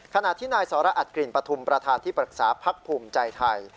ขณะที่นายเสร็จอัดกลิ่นประทุมวิทยาลัยประธาอาจที่ปรักษาภักดิ์ภูมิใจไทย